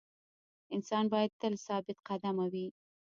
انسان باید تل ثابت قدمه وي.